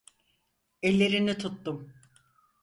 Ellerini tuttum.